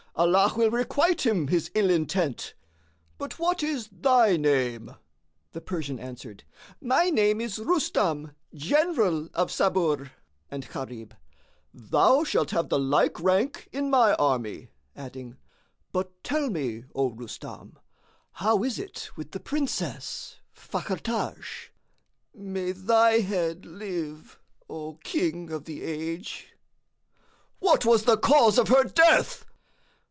Allah will requite him his ill intent. But what is thy name?" The Persian answered, "My name is Rustam, general of Sabur;" and Gharib, "Thou shalt have the like rank in my army," adding, "But tell me, O Rustam, how is it with the Princess Fakhr Taj?" "May thy head live, O King of the age!" "What was the cause of her death?"